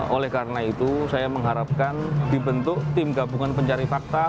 oleh karena itu saya mengharapkan dibentuk tim gabungan pencari fakta